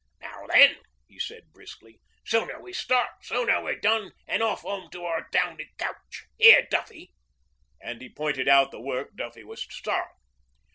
'Now then,' he said briskly. 'Sooner we start, sooner we're done an' off 'ome to our downy couch. 'Ere, Duffy' and he pointed out the work Duffy was to start.